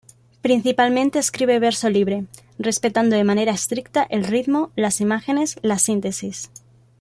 Principalmente escribe verso libre, respetando de manera estricta el ritmo, las imágenes, la síntesis.